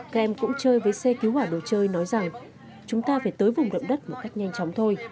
các em cũng chơi với xe cứu hỏa đồ chơi nói rằng chúng ta phải tới vùng động đất một cách nhanh chóng thôi